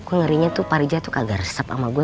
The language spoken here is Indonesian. ngerinya tuh pak rija tuh kagak resep sama gue